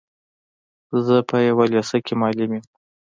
زه په يوه لېسه کي معلم يم.